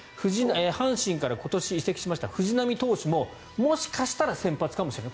阪神から今年移籍しました藤浪投手ももしかしたら先発かもしれない。